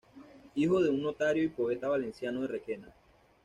Hijo de un notario y poeta valenciano de Requena.